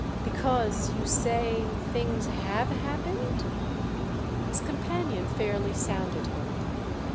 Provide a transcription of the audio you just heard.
"Because—you say—things have happened?" His companion fairly sounded him.